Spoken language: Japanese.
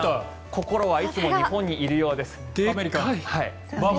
心はいつも日本いるようです。